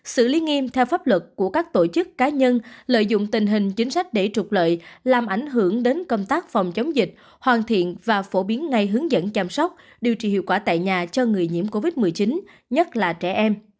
xử lý nghiêm theo pháp luật của các tổ chức cá nhân lợi dụng tình hình chính sách để trục lợi làm ảnh hưởng đến công tác phòng chống dịch hoàn thiện và phổ biến ngay hướng dẫn chăm sóc điều trị hiệu quả tại nhà cho người nhiễm covid một mươi chín nhất là trẻ em